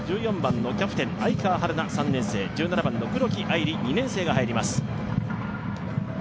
１４番のキャプテン、愛川陽菜、３年生１７番の黒木愛理、２年生が入ります。